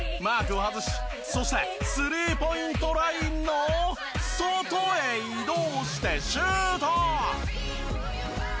マークを外しそしてスリーポイントラインの外へ移動してシュート！